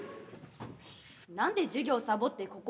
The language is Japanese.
何で授業サボってここにいるの？